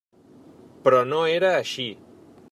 Però no era així.